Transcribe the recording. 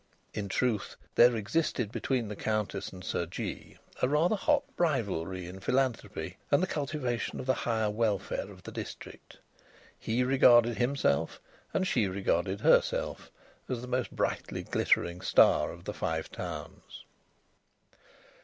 In truth, there existed between the Countess and Sir Jee a rather hot rivalry in philanthropy and the cultivation of the higher welfare of the district. He regarded himself, and she regarded herself, as the most brightly glittering star of the Five Towns.